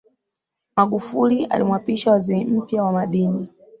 magufuli alimwapisha waziri mpya wa madini